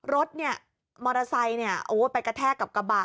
รถเนี่ยมอเตอร์ไซค์เนี่ยโอ้โหไปกระแทกกับกระบะ